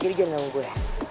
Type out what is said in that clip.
jadi jangan ngegaun gue